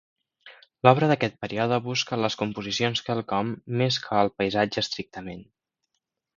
L'obra d'aquest període busca en les composicions quelcom més que el paisatge estrictament.